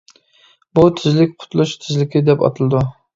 بۇ تېزلىك قۇتۇلۇش تېزلىكى دەپ ئاتىلىدۇ.